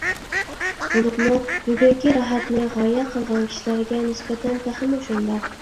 بولۇپمۇ بۈگۈنكى راھەتنى غايە قىلغان كىشىلەرگە نىسبەتەن تېخىمۇ شۇنداق.